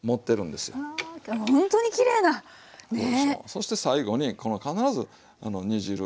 そして最後にこの必ず煮汁。